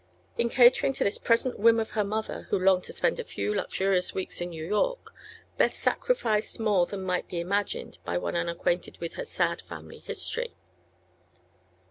In catering to this present whim of her mother, who longed to spend a few luxurious weeks in New York, Beth sacrificed more than might be imagined by one unacquainted with her sad family history.